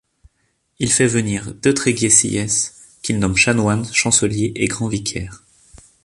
Il fait venir de Tréguier Sieyès, qu'il nomme chanoine, chancelier et grand vicaire.